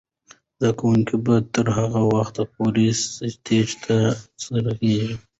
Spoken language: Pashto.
زده کوونکې به تر هغه وخته پورې سټیج ته خیژي.